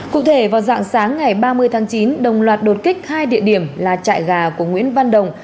cụ thể vào dạng sáng ngày ba mươi tháng chín đồng loạt đột kích hai địa điểm là trại gà của nguyễn văn đồng